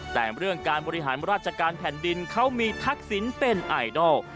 แต่เรื่องการบริหารราชการแผ่นดินเขามีทักษิณเป็นไอดอล